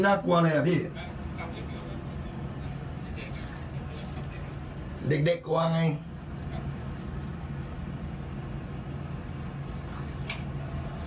เด็กกลัวไง